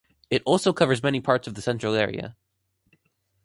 It also covers many parts of the Central Area.